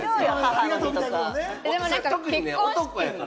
特に男やから。